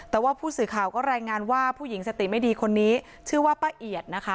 แต่ว่าผู้สื่อข่าวก็รายงานว่าผู้หญิงสติไม่ดีคนนี้ชื่อว่าป้าเอียดนะคะ